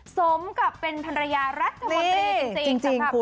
สมกับเป็นภรรยารัฐมนตรีจริงสำหรับ